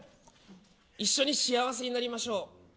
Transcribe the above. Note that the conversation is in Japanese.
一緒に幸せになりましょう。